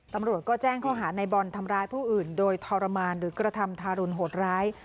ตำรวจก็แจ้งข้อหาในบอลทำร้ายผู้อื่นโดยทรมานหรือกระทำทารุณโหดร้าย